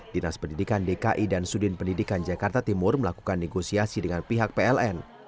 dinas pendidikan dki dan sudin pendidikan jakarta timur melakukan negosiasi dengan pihak pln